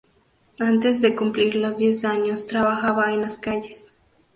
Antes de cumplir los diez años trabajaba en las calles.